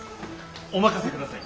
お任せください。